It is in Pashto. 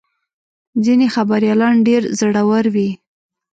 ځینې خبریالان ډېر زړور وي.